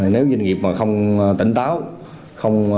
nếu doanh nghiệp không tỉnh táo không có tài khoản